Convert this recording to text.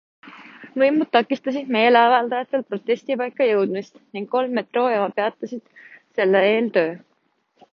Võimud takistasid meeleavaldajatel protestipaika jõudmist ning kolm metroojaama peatasid selle eel töö.